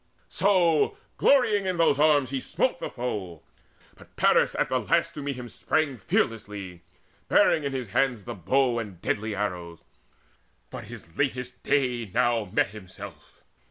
So glorying in those arms he smote the foe. But Paris at the last to meet him sprang Fearlessly, bearing in his hands his bow And deadly arrows but his latest day Now met himself.